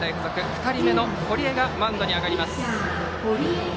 ２人目の堀江がマウンドに上がります。